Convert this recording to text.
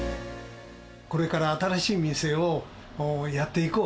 これから新しい店をやっていこう。